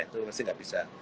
itu pasti tidak bisa